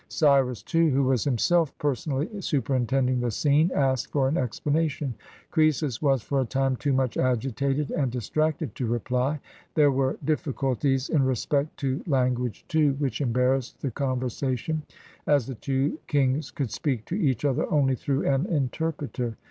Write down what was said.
Cyrus, too, who was himself per sonally superintending the scene, asked for an explana tion. Croesus was, for a time, too much agitated and dis tracted to reply. There were difficulties in respect to language, too, which embarrassed the conversation, as the two kings could speak to each other only through an interpreter.